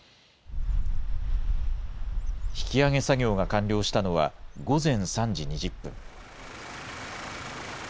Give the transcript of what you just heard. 引き揚げ作業が完了したのは、午前３時２０分。